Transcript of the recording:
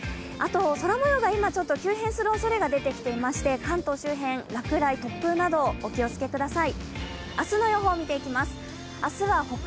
空もようが今、急変するおそれが出てきていまして関東周辺、落雷、突風などお気をつけください。